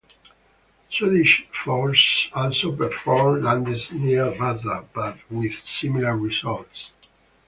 Swedish forces also performed landings near Vasa but with similar results.